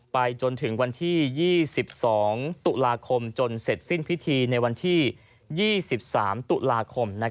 ไปจนถึงวันที่๒๒ตุลาคมจนเสร็จสิ้นพิธีในวันที่๒๓ตุลาคม